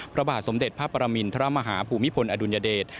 พระบาทสมเด็จพระปรมินทรมาฮาภูมิพลอดุลยเดช